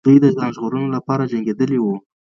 دوی د ځان ژغورلو لپاره جنګېدلې وو.